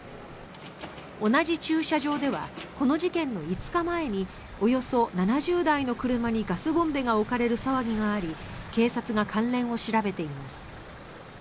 同じ駐車場ではこの事件の５日前におよそ７０台の車にガスボンベが置かれる騒ぎがあり警察が関連を調べています。